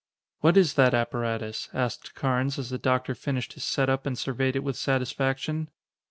"What is that apparatus?" asked Carnes as the doctor finished his set up and surveyed it with satisfaction.